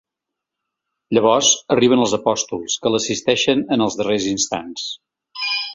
Llavors arriben els apòstols, que l’assisteixen en els darrers instants.